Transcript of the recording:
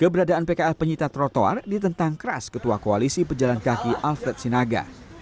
keberadaan pkl penyita trotoar ditentang keras ketua koalisi pejalan kaki alfred sinaga